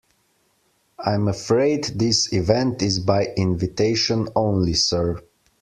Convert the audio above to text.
I'm afraid this event is by invitation only, sir.